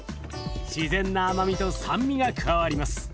自然な甘みと酸味が加わります。